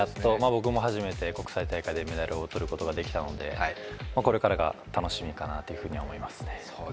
僕も初めて国際大会でメダルをとることができたのでこれからが楽しみかなと思いますね。